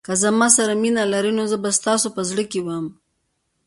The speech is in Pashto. که زما سره مینه لرئ نو زه به ستاسو په زړه کې وم.